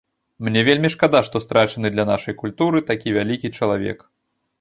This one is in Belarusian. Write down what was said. Мне вельмі шкада, што страчаны для нашай культуры такі вялікі чалавек.